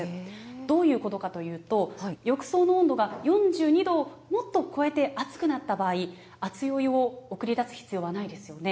どういうことかというと、浴槽の温度が４２度をもっと超えて、熱くなった場合、熱いお湯を送り出す必要はないですよね。